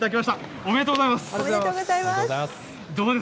ありがとうございます。